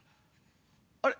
あれ？